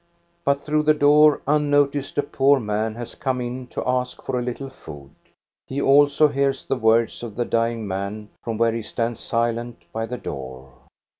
But through the door unnoticed a poor man has come in to ask for a little food. He also hears the words of the dying man from where he stands silent by the door.